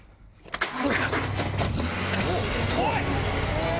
クソ。